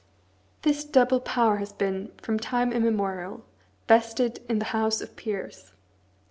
This double power has been, from time immemorial, vested in the House of Peers.